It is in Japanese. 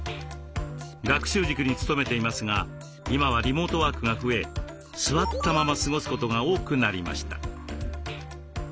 学習塾に勤めていますが今はリモートワークが増え座ったまま過ごすことが多くなりました。